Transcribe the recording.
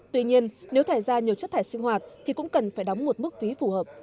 tuy nhiên nếu thải ra nhiều chất thải sinh hoạt thì cũng cần phải đóng một mức phí phù hợp